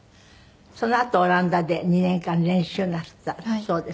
そのあとオランダで２年間練習なすったそうですけど。